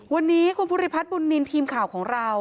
วันนี้คุณภูริพัฒน์บุญนินทีมข่าวของเรา